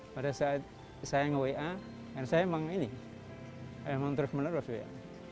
pada saat saya nge wa kan saya emang ini emang terus menerus wa